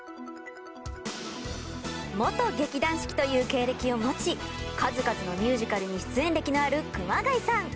元劇団四季という経歴を持ち数々のミュージカルに出演歴のある熊谷さん。